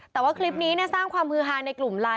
แต่ว่าคลิปนี้สร้างความฮือฮาในกลุ่มไลน์